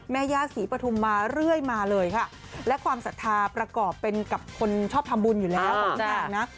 แม่ย่าศรีปฐุมมาเรื่อยมาเลยค่ะและความศรัทธาประกอบเป็นกับคนชอบทำบุญอยู่แล้วทุกอย่างนะ